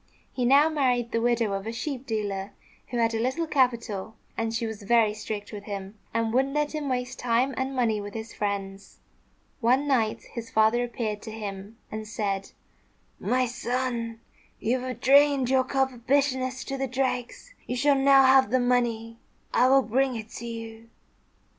He now married the widow of a sheep dealer, who had a little capital; and she was very strict with him, and wouldn't let him waste time and money with his friends. One night his father appeared to him and said, "My son, you have drained your cup of bitterness to the dregs. You shall now have the money. I will bring it to you."